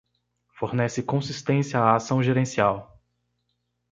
Fornece consistência à ação gerencial